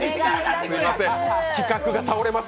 すみません、企画が倒れます。